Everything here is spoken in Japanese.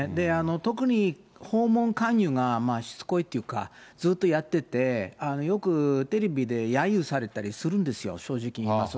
特に、訪問勧誘がしつこいというか、ずっとやってて、よくテレビでやゆされたりするんですよ、正直言いますと。